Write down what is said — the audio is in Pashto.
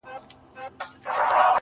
په خوښۍ کي به مي ستا د ياد ډېوه وي,